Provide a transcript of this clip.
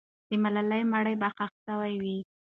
د ملالۍ مړی به ښخ سوی وي.